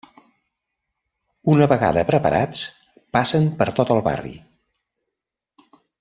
Una vegada preparats passen per tot el barri.